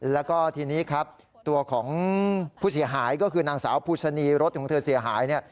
แล้วก็ทีนี้ครับตัวของผู้เสียหายก็คือนางสาวภูชนีรถของเธอเสียหายเนี่ย